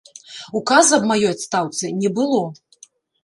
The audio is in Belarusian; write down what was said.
Указа аб маёй адстаўцы не было.